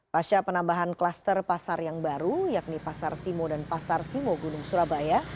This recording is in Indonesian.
pasca penambahan klaster pasar yang baru yakni pasar simo dan pasar simo gunung surabaya